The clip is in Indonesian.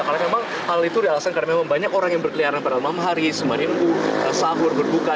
karena memang hal itu realasan karena memang banyak orang yang berkeliaran pada malam hari semanin sahur berbuka